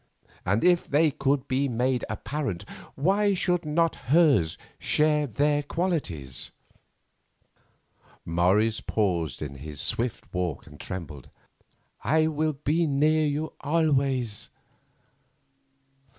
And if they could be made apparent, why should not hers share their qualities? Morris paused in his swift walk and trembled: "I will be near you always."